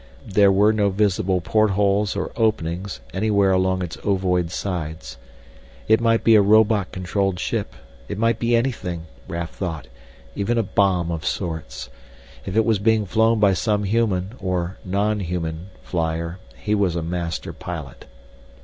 There were no visible portholes or openings anywhere along its ovoid sides. It might be a robot controlled ship, it might be anything, Raf thought, even a bomb of sorts. If it was being flown by some human or nonhuman flyer, he was a master pilot.